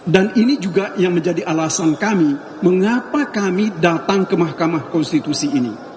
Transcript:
dan ini juga yang menjadi alasan kami mengapa kami datang ke mahkamah konstitusi ini